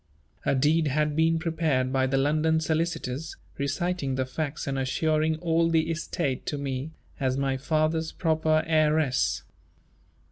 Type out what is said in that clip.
A deed had been prepared by the London solicitors, reciting the facts and assuring all the estate to me, as my father's proper heiress.